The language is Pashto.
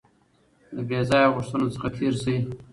د بې ځایه غوښتنو څخه تېر شئ.